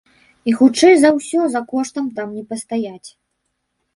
І, хутчэй за ўсё, за коштам там не пастаяць.